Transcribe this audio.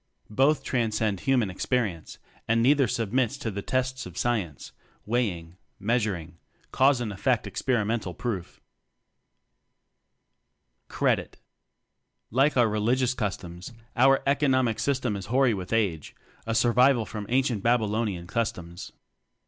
Both transcend human experience, and neither submits to the tests of Sci ence weighing, measuring, cause and effect experimental proof. "Credit." Like our religious forms, our Eco nomic System is hoary with age a survival from ancient Babylonian cus 20 TECHNOCRACY toms.